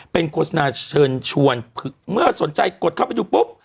เป็นโฆษณาเชิญชวนเมื่อสนใจกดเข้าไปดูปุ๊บ